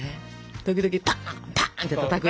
時々「パン！パン！」ってたたく？